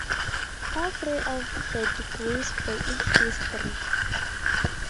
All three of the degrees were in history.